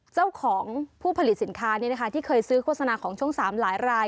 เจ้าของผู้ผลิตสินค้าที่เคยซื้อโฆษณาของช่อง๓หลายราย